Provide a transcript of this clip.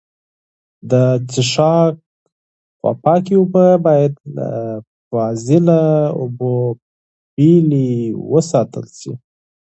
د څښاک پاکې اوبه باید له فاضله اوبو بېلې وساتل سي.